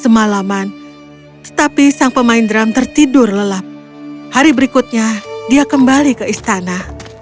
semalaman tetapi sang pemain drum tertidur lelap hari berikutnya dia kembali ke istana